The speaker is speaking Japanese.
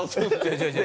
違う違う。